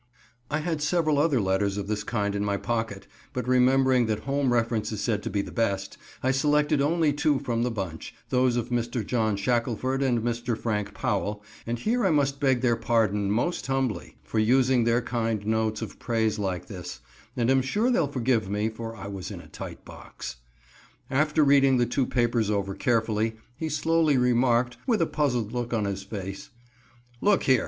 I had several other letters of this kind in my pocket, but remembering that home reference is said to be the best, I selected only two from the bunch those of Mr. John Shackelford and Mr. Frank Powell, and here I must beg their pardon, most humbly, for using their kind notes of praise like this, and am sure they'll forgive me, for I was in a tight box. After reading the two papers over carefully, he slowly remarked, with a puzzled look on his face: "Look here!